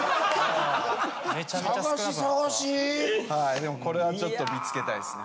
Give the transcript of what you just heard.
でもこれはちょっと見つけたいですね。